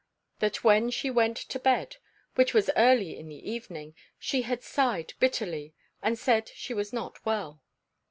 That when she went to bed, which was early in the evening, she had sighed bitterly, and said she was not well.